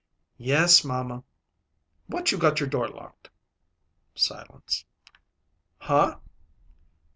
"Yes, mamma." "Why you got your door locked?" Silence. "Huh?"